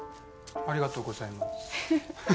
ありがとうございます。